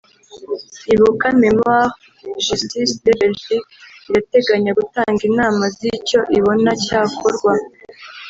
Ibuka-Mémoire & Justice de Belgique irateganya gutanga inama z’icyo ibona cyakorwa